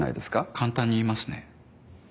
簡単に言いますね。